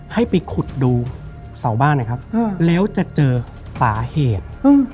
ให้ไปขุดดูเสาบ้านนะครับแล้วจะเจอสาเหตุ